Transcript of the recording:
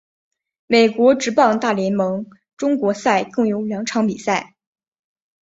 美国职棒大联盟中国赛共有两场比赛。